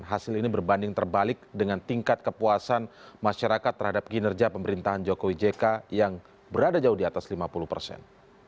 hasil ini berbanding terbalik dengan tingkat kepuasan masyarakat terhadap kinerja pemerintahan jokowi jk yang berada jauh di atas lima puluh persen